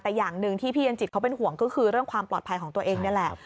แต่อย่างหนึ่งที่พี่เย็นจิตเขาเป็นห่วงก็คือเรื่องความปลอดภัยของตัวเองนี่แหละ